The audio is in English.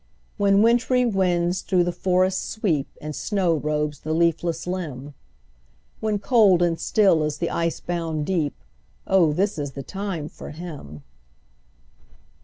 When wintry winds thro' the forests sweep, And snow robes the leafless limb; When cold and still is the ice bound deep, O this is the time for him.